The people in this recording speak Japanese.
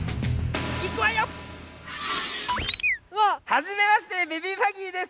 はじめましてベビー・ヴァギーです。